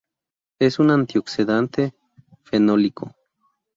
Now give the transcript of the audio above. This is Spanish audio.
Es un antioxidante fenólico.